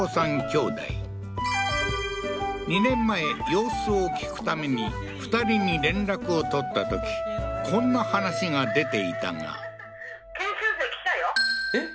きょうだい２年前様子を聞くために２人に連絡を取ったときこんな話が出ていたがえっ？